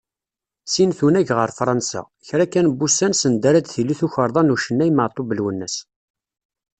Sin tunag ɣer Fransa, kra kan n wussan send ara d-tili tukerḍa n ucennay Maɛtub Lwennes.